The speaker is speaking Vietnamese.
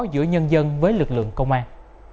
giữa nhân dân với lực lượng công an